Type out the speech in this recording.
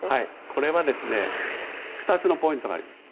これは２つのポイントがあります。